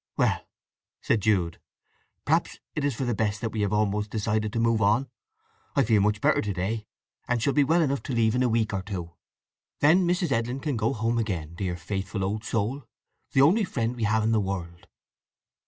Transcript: "Well," said Jude, "perhaps it is for the best that we have almost decided to move on. I feel much better to day, and shall be well enough to leave in a week or two. Then Mrs. Edlin can go home again—dear faithful old soul—the only friend we have in the world!"